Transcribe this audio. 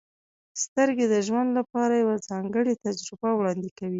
• سترګې د ژوند لپاره یوه ځانګړې تجربه وړاندې کوي.